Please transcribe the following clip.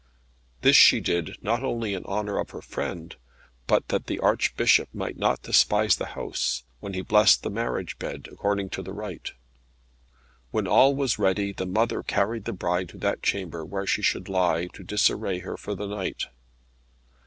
This she did not only in honour of her friend, but that the Archbishop might not despise the house, when he blessed the marriage bed, according to the rite. When all was ready the mother carried the bride to that chamber where she should lie, to disarray her for the night.